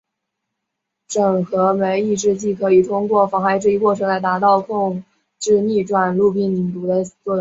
整合酶抑制剂可以通过妨害这一过程来达到控制逆转录病毒的作用。